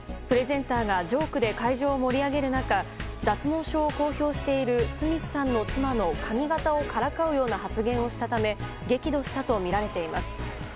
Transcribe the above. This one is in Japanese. プレゼンターがジョークで会場を盛り上げる中脱毛症を公表しているスミスさんの妻の髪形をからかうような発言をしたため激怒したとみられています。